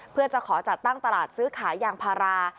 เพื่อจะขอจัดตั้งตลาดซื้อขายยางพารา